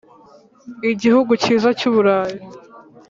igihugu cyiza cy’uburayi.